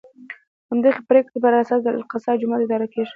د همدغې پرېکړې په اساس د الاقصی جومات اداره کېږي.